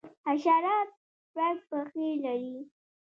حشرات شپږ پښې لري